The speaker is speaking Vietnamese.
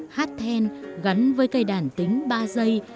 hát then gắn với cây đàn tính ba giây